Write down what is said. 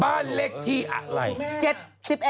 บ้านเลขที่อะไร๗๑